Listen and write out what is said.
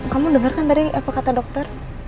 kamu denger kan tadi apa kata dokter